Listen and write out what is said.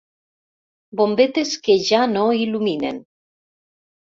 Bombetes que ja no il·luminen.